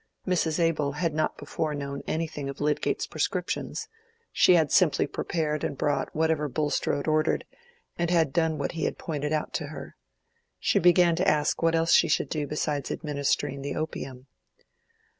Mrs. Abel had not before known anything of Lydgate's prescriptions; she had simply prepared and brought whatever Bulstrode ordered, and had done what he pointed out to her. She began now to ask what else she should do besides administering the opium.